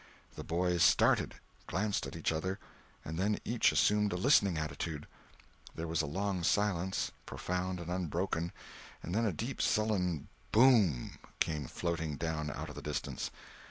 The boys started, glanced at each other, and then each assumed a listening attitude. There was a long silence, profound and unbroken; then a deep, sullen boom came floating down out of the distance.